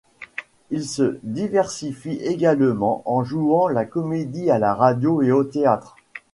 Il se diversifie également en jouant la comédie à la radio et au théâtre.